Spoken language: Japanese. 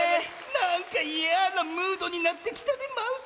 なんかいやなムードになってきたでマウス。